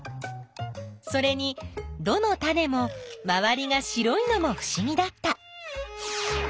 それにどのタネもまわりが白いのもふしぎだった。